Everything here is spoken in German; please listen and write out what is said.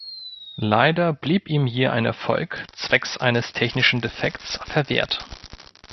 Leider blieb ihm hier ein Erfolg zwecks eines technischen Defekts verwehrt.